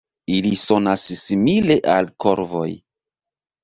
Ili sonas simile al korvoj.